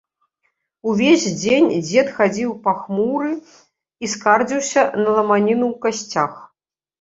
Увесь дзень дзед хадзіў пахмуры і скардзіўся на ламаніну ў касцях.